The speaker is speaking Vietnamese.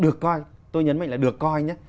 được coi tôi nhấn mạnh là được coi nhé